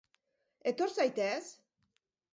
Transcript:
Etor zaitez!